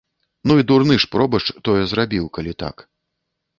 Ну і дурны ж пробашч тое зрабіў, калі так.